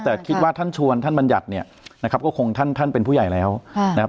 แต่คิดว่าท่านชวนท่านบรรยัตน์เนี่ยก็คงท่านเป็นผู้ใหญ่แล้วนะครับ